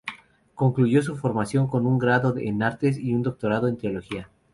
Concluyó su formación con un grado en artes y un doctorado en teología.